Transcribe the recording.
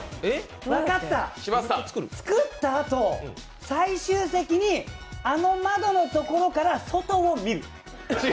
つくったあと、最終的にあの窓のところから外を見る。